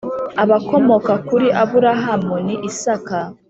abakomoka kuri aburahamu ni isaka